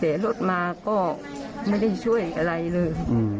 แต่รถมาก็ไม่ได้ช่วยอะไรเลย